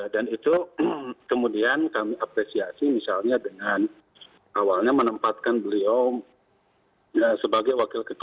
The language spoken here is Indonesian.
dan itu kemudian kami apresiasi misalnya dengan awalnya menempatkan beliau sebagai wakil ketua